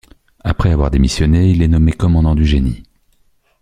Après avoir démissionné, il est nommé commandant du génie.